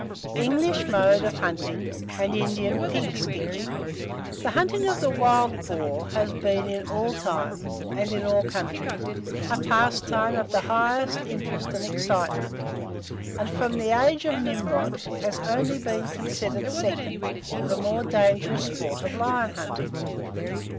ENGLISH MODE OF HUNTING, AND INDIAN PIG STICKING. The hunting of the wild boar has been in all times, and in all countries, a pastime of the highest interest and excitement, and from the age of Nimrod, has only been considered second to the more dangerous sport of lion hunting.